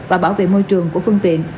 và bảo vệ môi trường của phương tiện